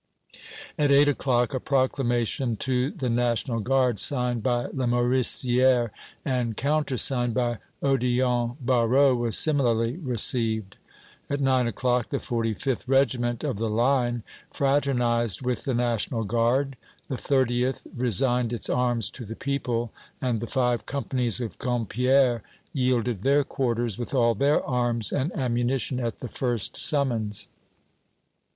At eight o'clock a proclamation to the National Guard, signed by Lamoricière and countersigned by Odillon Barrot, was similarly received. At nine o'clock the 45th Regiment of the Line fraternized with the National Guard, the 30th resigned its arms to the people, and the five companies of Compiers yielded their quarters with all their arms and ammunition at the first summons.